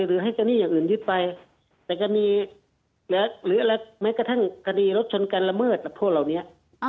หรือให้จะหนี้อย่างอื่นยึดไปหรือแม้กระทั่งการีรถชนการละเมิดหรือพวกเหล่านี้